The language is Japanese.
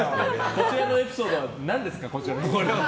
こちらのエピソードは何ですか？